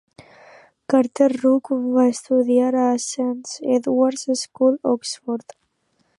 Carter-Ruck va estudiar a la St Edward's School, Oxford.